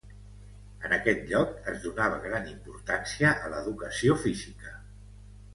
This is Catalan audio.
En aquest lloc es donava gran importància a l'educació física.